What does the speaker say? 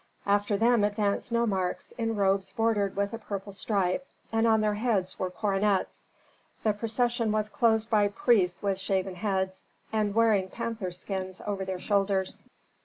After them advanced nomarchs in robes bordered with a purple stripe, and on their heads were coronets. The procession was closed by priests with shaven heads, and wearing panther skins over their shoulders.